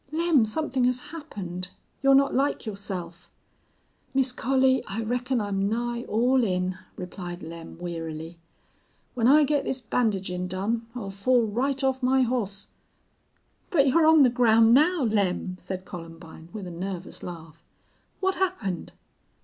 Lem, something has happened. You're not like yourself." "Miss Collie, I reckon I'm nigh all in," replied Lem, wearily. "When I git this bandagin' done I'll fall right off my hoss." "But you're on the ground now, Lem," said Columbine, with a nervous laugh. "What happened?"